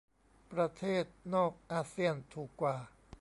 ประเทศนอกอาเซี่ยนถูกกว่า